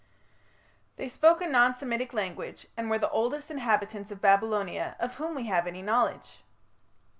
They spoke a non Semitic language, and were the oldest inhabitants of Babylonia of whom we have any knowledge.